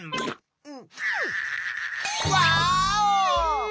ワーオ！